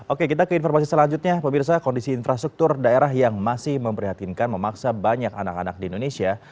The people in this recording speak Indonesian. oke kita ke informasi selanjutnya pemirsa kondisi infrastruktur daerah yang masih memprihatinkan memaksa banyak anak anak di indonesia